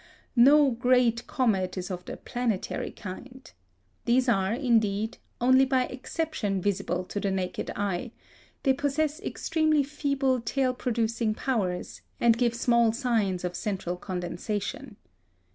No great comet is of the "planetary" kind. These are, indeed, only by exception visible to the naked eye; they possess extremely feeble tail producing powers, and give small signs of central condensation.